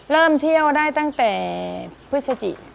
เริ่มเที่ยวได้ตั้งแต่พฤศจิ